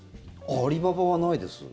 アリババはないです。